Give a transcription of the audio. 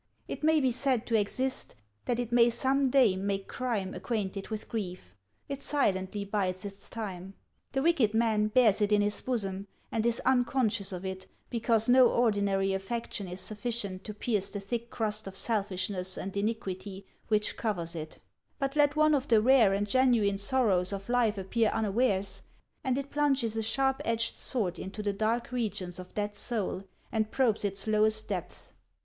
It may be said to exist, that it may some day make HANS OF ICELAND. 291 crime acquainted with grief. It silently bides its time. The wicked man bears it in his bosom and is unconscious of it, because no ordinary affection is sufficient to pierce the thick crust of selfishness and iniquity which covers it ; but let one of the rare and genuine sorrows of life appear unawares, and it plunges a sharp edged sword into the dark regions of that soul and probes its lowest depths.